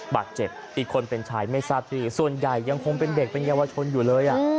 บาดเจ็บอีกคนเป็นชายไม่ทราบที่ส่วนใหญ่ยังคงเป็นเด็กเป็นเยาวชนอยู่เลย